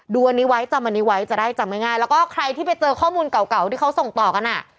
ดูอันนี้ไว้จำอันนี้ไว้จะได้จำง่ายแล้วก็ใครที่ไปเจอข้อมูลเก่าที่เขาส่งต่อกันอ่ะ